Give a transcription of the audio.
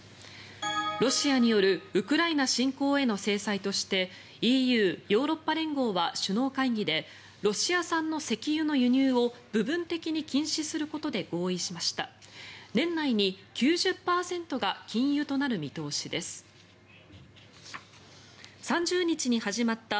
ロシアによるウクライナ侵攻への制裁としてＥＵ・ヨーロッパ連合は首脳会議でロシア産の石油の輸入を部分的に禁止することで合意しました。